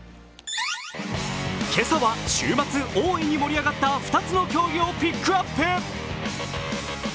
今朝は週末大いに盛り上がった２つの競技をピックアップ。